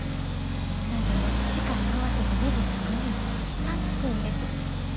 みんなで力合わせてねじ作んの楽しいんです。